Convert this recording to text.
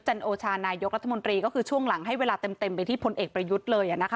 จันโอชานายกรัฐมนตรีก็คือช่วงหลังให้เวลาเต็มไปที่พลเอกประยุทธ์เลย